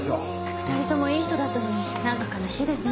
２人共いい人だったのに何か悲しいですね。